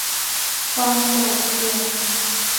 ความโกรธเคือง